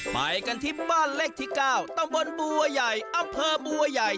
ไปกันที่บ้านเลขที่๙ตำบลบัวใหญ่อำเภอบัวใหญ่